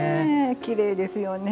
きれいですよね。